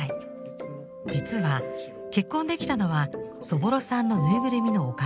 実は結婚できたのはそぼろさんのぬいぐるみのおかげなんだとか。